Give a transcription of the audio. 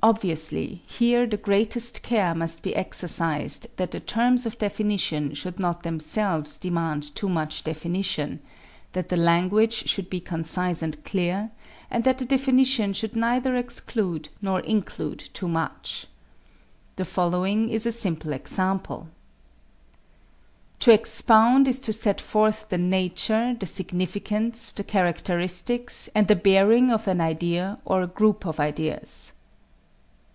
Obviously, here the greatest care must be exercised that the terms of definition should not themselves demand too much definition; that the language should be concise and clear; and that the definition should neither exclude nor include too much. The following is a simple example: To expound is to set forth the nature, the significance, the characteristics, and the bearing of an idea or a group of ideas.